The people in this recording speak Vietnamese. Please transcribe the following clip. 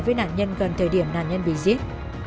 với nạn nhân gần thời điểm nạn nhân bị giết